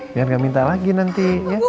biar gak minta lagi nanti